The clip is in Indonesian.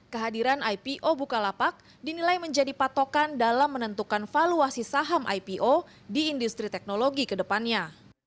kehadiran ipo bukalapak dinilai menjadi patokan dalam menentukan valuasi saham ipo di industri teknologi kedepannya